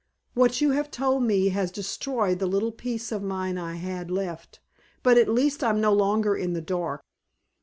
What you have told me has destroyed the little peace of mind I had left, but at least I'm no longer in the dark.